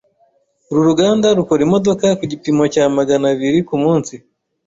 Uru ruganda rukora imodoka ku gipimo cya magana abiri kumunsi.